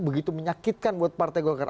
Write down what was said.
begitu menyakitkan buat partai golkar